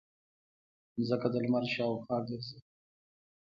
ځمکه د لمر شاوخوا ګرځي